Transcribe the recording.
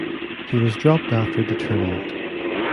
He was dropped after the tournament.